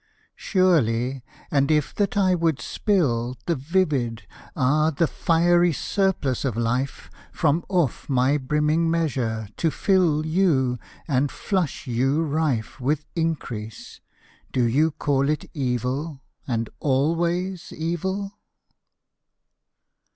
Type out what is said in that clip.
Surely, and if that I would spill The vivid, ah, the fiery surplus of life, From off my brimming measure, to fill You, and flush you rife With increase, do you call it evil, and always evil?